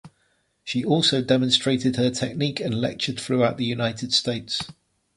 She also demonstrated her technique and lectured throughout the United States.